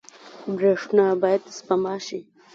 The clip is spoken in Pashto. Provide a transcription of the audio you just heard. برښنا باید سپما شي